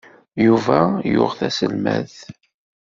Yuba yuɣ taselmadt.